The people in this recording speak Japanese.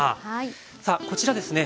さあこちらですね